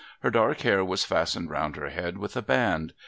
Her dark hair was fastened round her head with a band.